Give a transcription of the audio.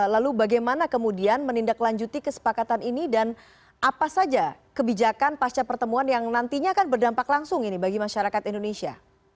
lalu bagaimana kemudian menindaklanjuti kesepakatan ini dan apa saja kebijakan pasca pertemuan yang nantinya akan berdampak langsung ini bagi masyarakat indonesia